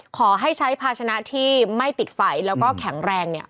ขอให้ใช้ภาชนะที่ไม่ติดไฟแล้วก็แข็งแรงเนี่ย